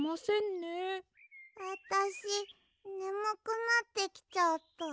あたしねむくなってきちゃった。